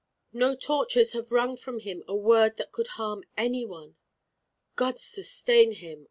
No tortures have wrung from him a word that could harm any one." "God sustain him!